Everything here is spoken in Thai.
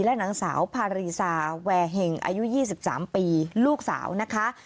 และนางสาวพารีซาแวร์เห็งอายุ๒๓ปีลูกสาวนะคะ